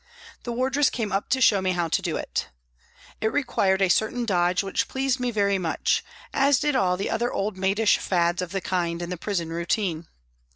The wardress came up to show me how to do it. It required a certain dodge which pleased me very much, as did all the other old maidish fads of the kind in the prison routine.